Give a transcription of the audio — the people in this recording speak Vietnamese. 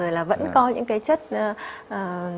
rồi là vẫn coi những cái chữa bệnh nhân